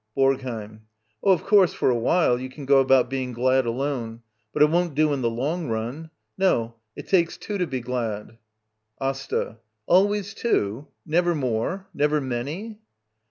^ BoRGHEiM. Oh, of course, for a while you can / go about being glad alone. But it won't do in the long run. No, it takes two to be gl ad. AsTA. Always two? Never more? Never many?